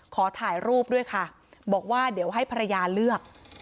ขอถ่ายรูปด้วยค่ะบอกว่าเดี๋ยวให้ภรรยาเลือก